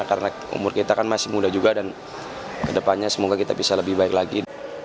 karena umur kita kan masih muda juga dan ke depannya semoga kita bisa lebih baik lagi